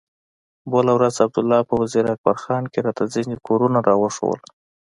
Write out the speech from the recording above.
بله ورځ عبدالله په وزير اکبر خان کښې راته ځينې کورونه راوښوول.